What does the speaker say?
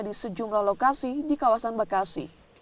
di sejumlah lokasi di kawasan bekasi